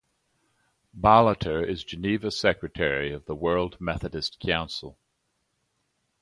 Bolleter is Geneva secretary of the World Methodist Council.